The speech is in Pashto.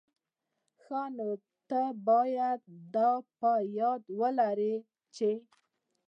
ښه، نو ته بايد دا په یاد ولري چي...